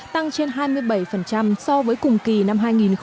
tăng trên hai mươi bảy so với cùng kỳ năm hai nghìn một mươi tám